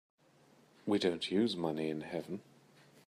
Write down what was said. We don't use money in heaven.